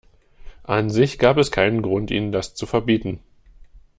An sich gab es keinen Grund, ihnen das zu verbieten.